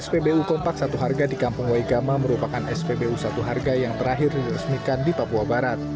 spbu kompak satu harga di kampung waigama merupakan spbu satu harga yang terakhir diresmikan di papua barat